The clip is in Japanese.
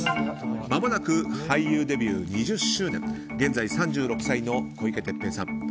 まもなく俳優デビュー２０周年現在３６歳の小池徹平さん。